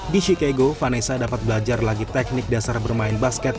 di chicago vanessa dapat belajar lagi teknik dasar bermain basket